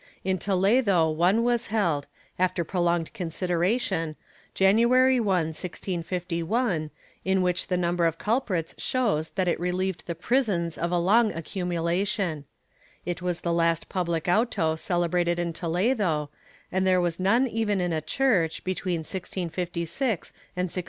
In Toledo one was held, after prolonged consideration, January 1, 1651, in which the number of culprits shows that it relieved the prisons of a long accumula tion ; it was the last public auto celebrated in Toledo, and there was none even in a church, between 1656 and 1677.